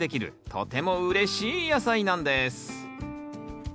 とてもうれしい野菜なんです